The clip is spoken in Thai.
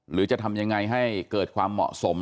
หรือจะทำยังไงให้เกิดความเหมาะสม